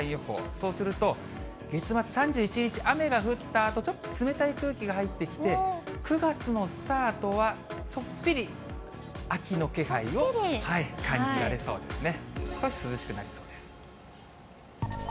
そうすると、月末３１日、雨が降ったあと、ちょっと冷たい空気が入ってきて、９月のスタートはちょっぴり秋の気配を感じられそうですね。